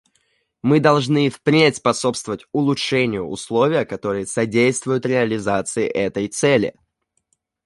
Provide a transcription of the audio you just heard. Мы должны и впредь способствовать улучшению условия, которые содействуют реализации этой цели.